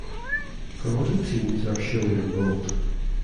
Promoted teams are shown in bold.